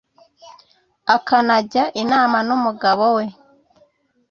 akanajya inama n’umugabo we